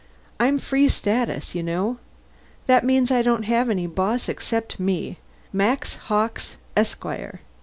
I'm Free Status, you know. That means I don't have any boss except me. Max Hawkes, Esquire.